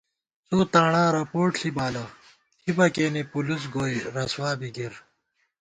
څو تاݨا رپوٹ ݪی بالہ ، تھِبہ کېنے پُلُس گوئی رسوا بی گِر